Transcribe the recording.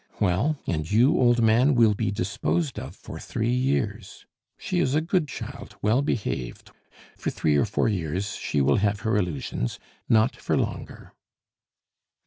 Well, and you, old man, will be disposed of for three years. She is a good child, well behaved; for three or four years she will have her illusions not for longer."